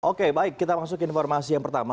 oke baik kita masuk ke informasi yang pertama